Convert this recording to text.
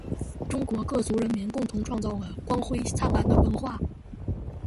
中国各族人民共同创造了光辉灿烂的文化